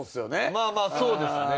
まあまあそうですね。